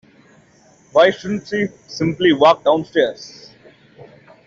Why shouldn't she simply walk downstairs?